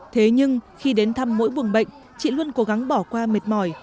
thế nhưng khi đến thăm mỗi buồng bệnh chị luôn cố gắng bỏ qua mệt mỏi